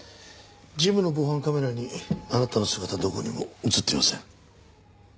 ジムの防犯カメラにあなたの姿はどこにも映っていません。